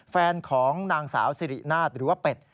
แฟนของนางสาวสิรินาฏหรือว่าเป็ด